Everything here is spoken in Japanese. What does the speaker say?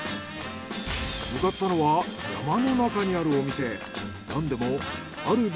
向かったのは山の中にあるお店。